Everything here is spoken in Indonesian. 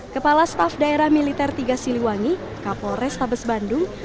kepala staf daerah militer tiga siliwangi kapol restabes bandung